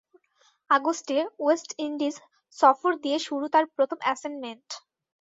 আগস্টে West Indies সফর দিয়ে শুরু তাঁর প্রথম অ্যাসাইনমেন্ট।